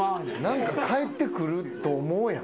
何か返ってくると思うやん。